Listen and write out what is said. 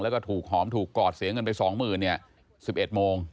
แล้วก็ถูกหอมถูกกอดเสียเงินไป๒๐๐๐เนี่ย๑๑โมง